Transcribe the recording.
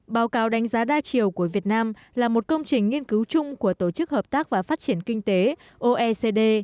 báo cáo đánh giá đa chiều của việt nam là một công trình nghiên cứu chung của tổ chức hợp tác và phát triển kinh tế oecd